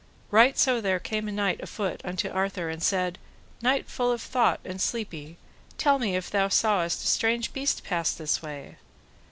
Right so there came a knight afoot unto Arthur and said, Knight full of thought and sleepy, tell me if thou sawest a strange beast pass this way.